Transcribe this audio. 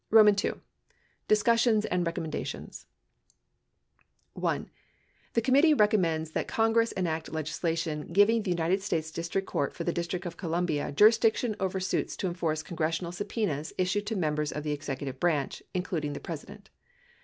II. DISCUSSIONS AND RECOMMENDATIONS 1. The committee recommends that Congress enact legislation giving the United States District Court for the District of Co lumbia jurisdiction over suits to enforce congressional subpenas issued to members of the executive branch, including the Presi dent.